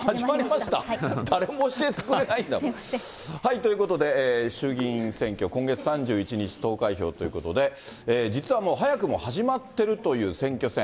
ということで、衆議院選挙、今月３１日投開票ということで、実はもう、早くも始まってるという選挙戦。